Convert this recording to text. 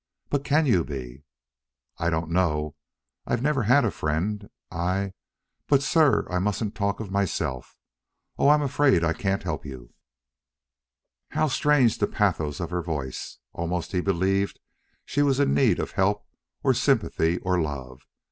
"But CAN you be?" "I don't know. I never had a friend. I... But, sir, I mustn't talk of myself.... Oh, I'm afraid I can't help you." How strange the pathos of her voice! Almost he believed she was in need of help or sympathy or love.